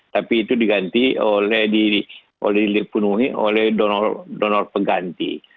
tapi itu diganti oleh dipenuhi oleh donor pengganti